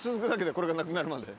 これがなくなるまで。